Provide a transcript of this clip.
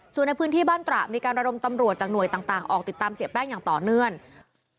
ส่วนในพื้นที่บ้านตระมีการระดมตำรวจจากหน่วยต่างออกติดตามเสียแป้งอย่างต่อเนื่อง